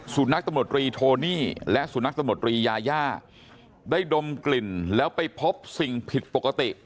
นักตำรวจรีโทนี่และสุนัขตำรวจรียาย่าได้ดมกลิ่นแล้วไปพบสิ่งผิดปกติ